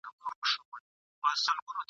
وخت نا وخته د خپل حق کوي پوښتنه ..